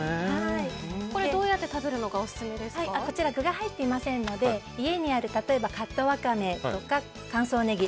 これはどうやって食べるのがオススメですかこちら具が入っていませんので家にある、例えばカットワカメとか乾燥ネギ